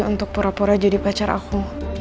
untuk pura pura jadi pacar aku